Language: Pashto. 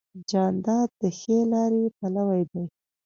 جانداد د ښې لارې پلوی دی.